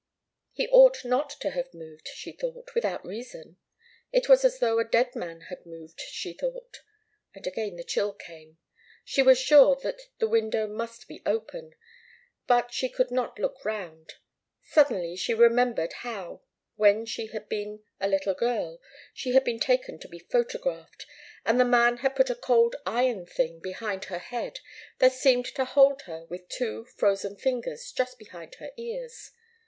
He ought not to have moved, she thought, without reason. It was as though a dead man had moved, she thought. And again the chill came. She was sure that the window must be open, but she could not look round. Suddenly she remembered how when she had been a little girl she had been taken to be photographed, and the man had put a cold iron thing behind her head that seemed to hold her with two frozen fingers just behind her ears.